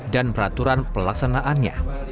dan peraturan pelaksanaannya